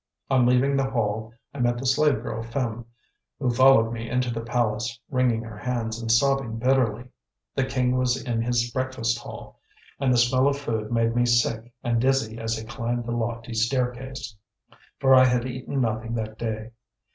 On leaving the hall, I met the slave girl Phim, who followed me into the palace, wringing her hands and sobbing bitterly. The king was in his breakfast hall, and the smell of food made me feel sick and dizzy as I climbed the lofty staircase, for I had eaten nothing that day.